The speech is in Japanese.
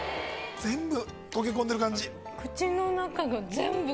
全部溶け込んでる感じ。